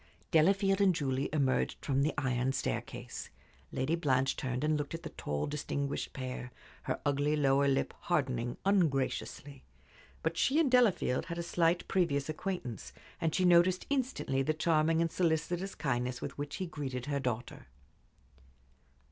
Delafield and Julie emerged from the iron staircase. Lady Blanche turned and looked at the tall, distinguished pair, her ugly lower lip hardening ungraciously. But she and Delafield had a slight previous acquaintance, and she noticed instantly the charming and solicitous kindness with which he greeted her daughter.